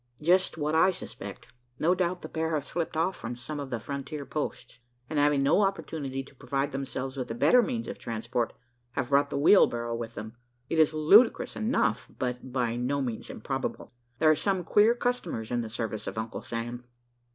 "Just what I suspect. No doubt the pair have slipped off from some of the frontier posts; and having no opportunity to provide themselves with a better means of transport, have brought the wheelbarrow with them. It is ludicrous enough, but by no means improbable. There are some queer customers in the service of Uncle Sam."